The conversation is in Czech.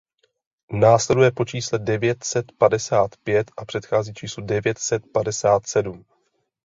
Následuje po čísle devět set padesát pět a předchází číslu devět set padesát sedm.